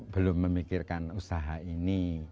belum memikirkan usaha ini